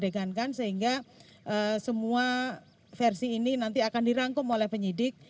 di adegan kan sehingga semua versi ini nanti akan dirangkum oleh penyidik